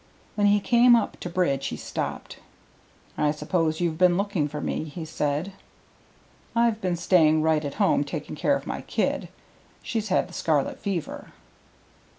When he came up to Bridge he stopped. "I suppose you've been looking for me," he said. "I've been staying right at home taking care of my kid; she's had the scarlet fever."